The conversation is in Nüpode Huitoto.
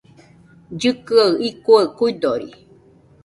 Llɨkɨaɨ icuaɨ kuidori